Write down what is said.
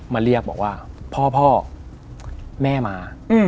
มาเรียกบอกว่าพ่อแม่มา